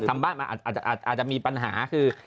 ทำบ้านมาอาจจะมีปัญหาคือ